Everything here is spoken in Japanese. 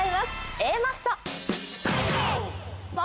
Ａマッソ。